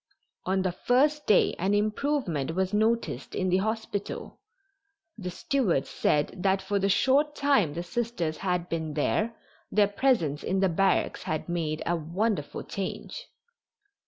On the first day an improvement was noticed in the hospital. The steward said that for the short time the Sisters had been there their presence in the barracks had made a wonderful change.